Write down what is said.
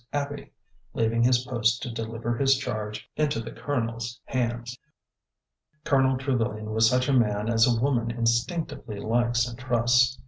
11 Abby, leaving his post to deliver his charge into the Colo nel's hands. Colonel Trevilian was such a man as a woman instinc tively likes and trusts.